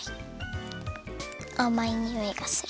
あまいにおいがする。